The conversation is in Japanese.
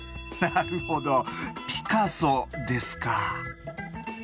なるほどピカソですか。